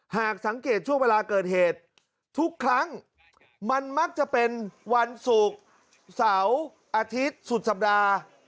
หากสังเกตช่วงเวลาเกิดเหตุทุกครั้งมันมักจะเป็นวันศุกร์เสาร์อาทิตย์สุดสัปดาห์